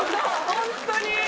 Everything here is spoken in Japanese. ホントに！